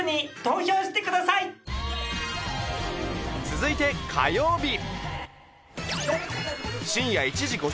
続いて火曜日。